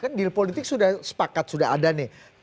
kan deal politik sudah sepakat sudah ada nih